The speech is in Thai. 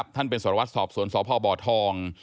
ท่านเป็นสรวจสอบส่วนสอบพ่อบ่อทอง